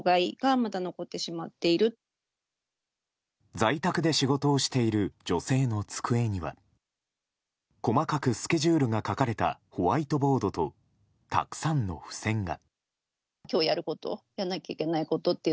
在宅で仕事をしている女性の机には細かくスケジュールが書かれたホワイトボードとたくさんの付箋が。